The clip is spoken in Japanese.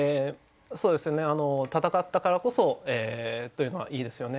戦ったからこそというのはいいですよね。